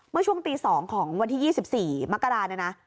เมื่อช่วงตี๒ของวันที่๒๔มกราเนี่ยนะ